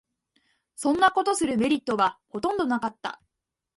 そんなことするメリットはほとんどなかった